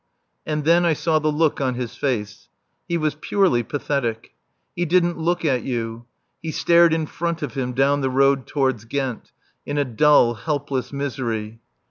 And then I saw the look on his face. He was purely pathetic. He didn't look at you. He stared in front of him down the road towards Ghent, in a dull, helpless misery.